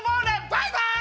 バイバイ！